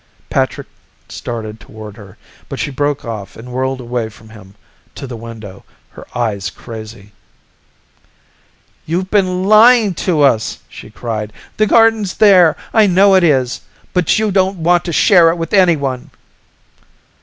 Patrick started toward her, but she broke off and whirled away from him to the window, her eyes crazy. "You've been lying to us," she cried. "The garden's there. I know it is. But you don't want to share it with anyone."